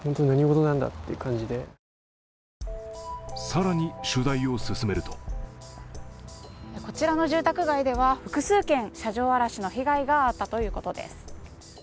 更に取材を進めるとこちらの住宅街では複数件、車上荒らしの被害があったということです。